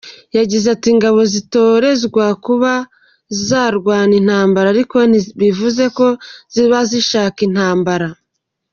Yagize ati “Ingabo zitorezwa kuba zarwana intambara, ariko ntibivuze ko ziba zishaka intambara.